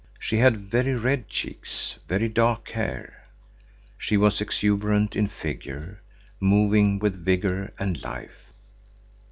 She had very red cheeks, very dark hair. She was exuberant in figure, moving with vigor and life.